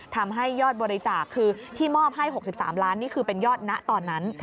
ทำให้ยอดบริจาคคือที่มอบให้๖๓ล้านนี่คือเป็นยอดณตอนนั้น